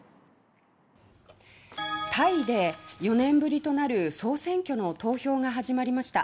タイで４年ぶりとなる総選挙の投票が始まりました。